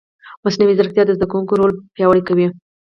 مصنوعي ځیرکتیا د زده کوونکي رول پیاوړی کوي.